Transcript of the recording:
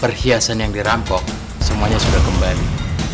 perhiasan yang dirampok semuanya sudah kembali